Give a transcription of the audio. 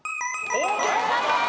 正解です！